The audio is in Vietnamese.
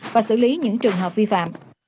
và xử lý những trường hợp vi phạm